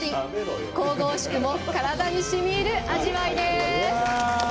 神々しくも体にしみいる味わいです。